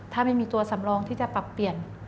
ถ้าไม่มีตัวสำรองที่จะปรับเปลี่ยน